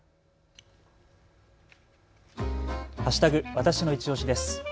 わたしのいちオシです。